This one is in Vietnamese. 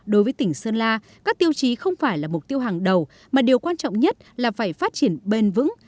đối với tỉnh sơn la các tiêu chí không phải là mục tiêu hàng đầu mà điều quan trọng nhất là phải phát triển bền vững